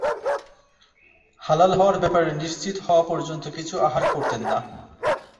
হালাল হওয়ার ব্যাপারে নিশ্চিত হওয়া পর্যন্ত কিছু আহার করতেন না।